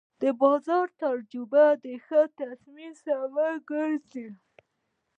د بازار تجربه د ښه تصمیم سبب ګرځي.